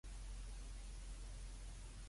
問你老母個老母